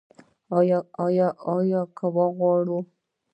آیا که موږ وغواړو؟